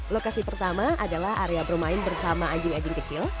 lokasi pertama adalah area bermain bersama anjing anjing kecil